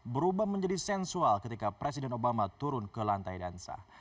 berubah menjadi sensual ketika presiden obama turun ke lantai dansa